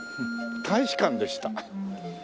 大使館でした。